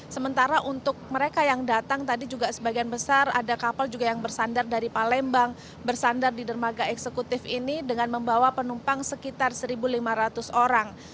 sementara untuk mereka yang datang tadi juga sebagian besar ada kapal juga yang bersandar dari palembang bersandar di dermaga eksekutif ini dengan membawa penumpang sekitar satu lima ratus orang